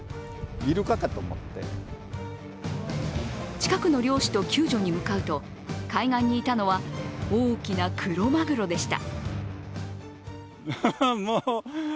近くの漁師と救助に向かうと、海岸にいたのは大きなクロマグロでした。